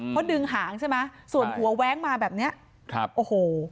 เพราะดึงหางใช่ไหมส่วนหัวแว้งมาแบบนี้โอ้โห